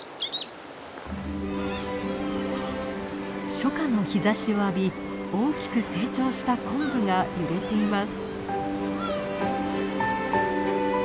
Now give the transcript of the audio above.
初夏の日ざしを浴び大きく成長したコンブが揺れています。